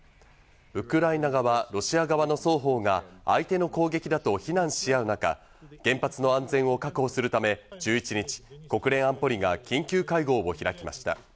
ウクライナ側、ロシア側の双方が、相手の攻撃だと非難し合う中、原発の安全を確保するため１１日、国連安保理が緊急会合を開きました。